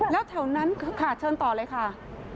แล้วแถวนั้นค่ะเชิญต่อเลยค่ะ